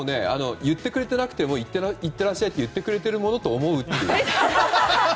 言ってくれてなくてもいってらっしゃいと言ってくれているものと思うって。